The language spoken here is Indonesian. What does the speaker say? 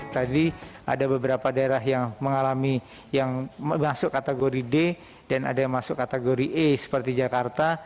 tadi ada beberapa daerah yang mengalami yang masuk kategori d dan ada yang masuk kategori e seperti jakarta